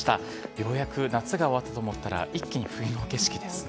ようやく夏が終わったと思ったら、一気に冬の景色ですね。